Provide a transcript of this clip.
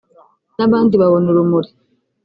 n’abandi babona urumuri